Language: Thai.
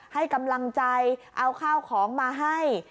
ให้กำลังใจเอาข้าวของมาให้